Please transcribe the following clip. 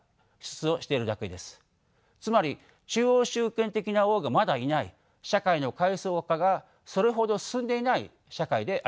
つまり中央集権的な王がまだいない社会の階層化がそれほど進んでいない社会でありました。